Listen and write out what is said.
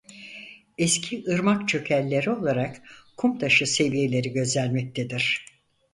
Eski ırmak çökelleri olarak kumtaşı seviyeleri gözlenmektedir.